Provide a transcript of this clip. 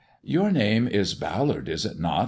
" Your name is Ballard, is it not